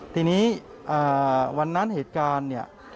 ทีนี้วันนั้นเหตุการณ์